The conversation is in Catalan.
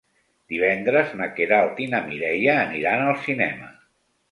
Divendres na Queralt i na Mireia aniran al cinema.